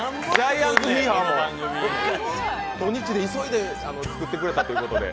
土日で急いで作ってくれたということで。